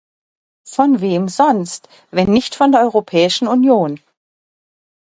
Von wem sonst, wenn nicht von der Europäischen Union?